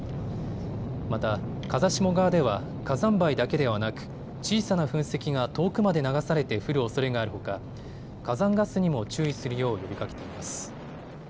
また、風下側では火山灰だけではなく小さな噴石が遠くまで流されて降るおそれがあるほか火山ガスにも注意するよう呼びかけています。